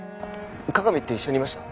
加賀美って一緒にいました？